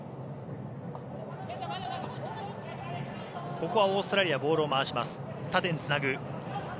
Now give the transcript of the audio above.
ここはオーストラリアボールを回します。